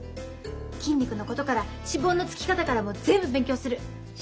筋肉のことから脂肪のつき方からもう全部勉強する。